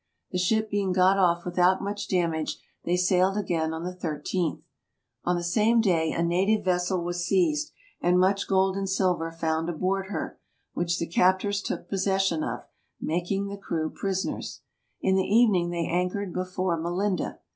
The ship being got off without much damage they sailed again on the 13. On the same day a native vessel was seized, and much gold and silver found 40 TRAVELERS AND EXPLORERS aboard her, which the captors took possession of, making the crew prisoners. In the evening they anchored before Melinda.